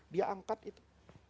dia angkat itu